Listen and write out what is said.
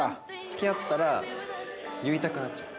付き合ったら言いたくなっちゃう。